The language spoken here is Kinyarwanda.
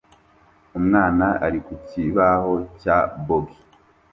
Umwana ari ku kibaho cya boogie